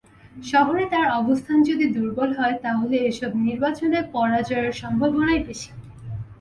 শহরে তাঁর অবস্থান যদি দুর্বল হয়, তাহলে এসব নির্বাচনে পরাজয়ের সম্ভাবনাই বেশি।